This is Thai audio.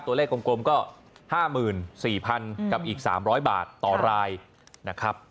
ตัวเลขกลมก็๕๔๐๐๐กับอีก๓๐๐บาทต่อรายนะครับ